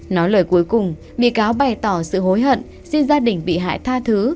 nói lời cuối cùng bị cáo bày tỏ sự hối hận xin gia đình bị hại tha thứ